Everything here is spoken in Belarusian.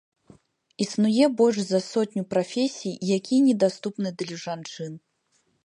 Існуе больш за сотню прафесій, якія недаступны для жанчын.